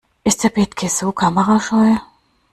Ist Herr Bethke so kamerascheu?